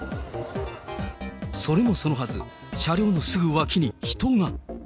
それもそのはず、車両のすぐ脇に人が。